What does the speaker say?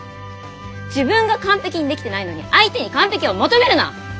自分が完璧にできてないのに相手に完璧を求めるな！